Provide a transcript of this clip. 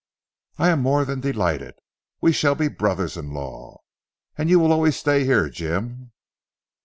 "I am more than delighted. We shall be brothers in law. And you will always stay here Jim?"